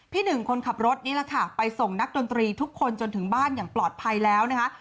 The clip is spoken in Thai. หนึ่งคนขับรถนี่แหละค่ะไปส่งนักดนตรีทุกคนจนถึงบ้านอย่างปลอดภัยแล้วนะคะ